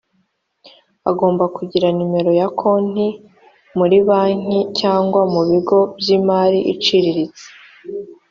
agomba kugira nimero ya konti muri banki cyangwa mu bigo by’imari icicriritse